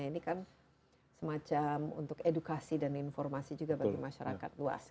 jadi ini adalah satu cerita yang semacam untuk edukasi dan informasi juga bagi masyarakat luas